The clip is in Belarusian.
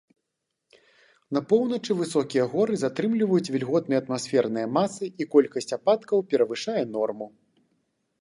На поўначы высокія горы затрымліваюць вільготныя атмасферныя масы, і колькасць ападкаў перавышае норму.